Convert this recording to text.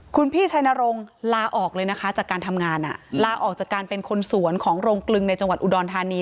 คุณพี่ชัยนรงค์ลาออกเลยนะคะจากการทำงานลาออกจากการเป็นคนสวนของโรงกลึงในจังหวัดอุดรธานี